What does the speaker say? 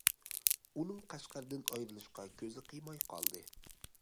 ئۇنىڭ قەشقەردىن ئايرىلىشقا كۆزى قىيماي قالدى.